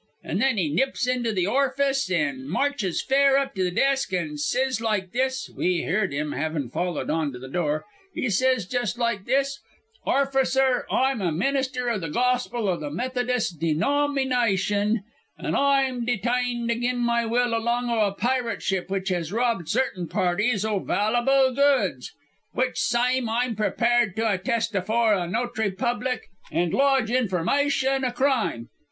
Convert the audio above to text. And then he nips into the orfice an' marches fair up to the desk an' sy's like this we heerd him, havin' followed on to the door he s'ys, just like this: "'Orfficer, I am a min'ster o' the gospel, o' the Methodis' denomineye tion, an' I'm deteyined agin my will along o' a pirate ship which has robbed certain parties o' val able goods. Which syme I'm pre pared to attest afore a no'try publick, an' lodge informeye tion o' crime.